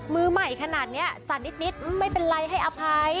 มือใหม่ขนาดนี้สั่นนิดไม่เป็นไรให้อภัย